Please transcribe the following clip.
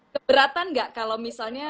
keberatan gak kalau misalnya